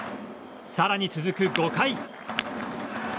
更に続く５回。